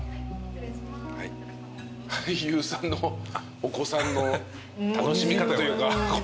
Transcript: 俳優さんのお子さんの楽しみ方というか。